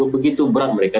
begitu berat mereka